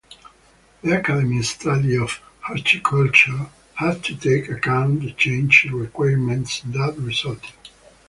The academic study of Horticulture had to take account the changed requirements that resulted.